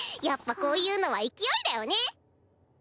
やっぱこういうのは勢いだよね。